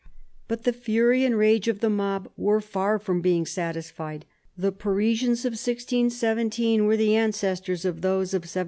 But the fury and rage of the mob were far from being satisfied. The Parisians of 1617 were the ancestors of those of 1793.